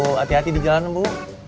hati hati di jalan bu